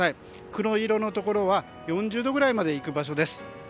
黒色のところは４０度までいく場所です。